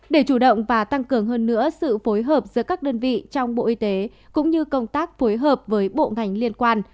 để chủ động và tăng cường hơn nữa sự phối hợp giữa các đơn vị trong bộ y tế cũng như công tác phối hợp với bộ ngành liên quan